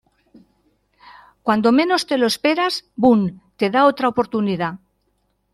cuando menos te lo esperas, boom , te da otra oportunidad.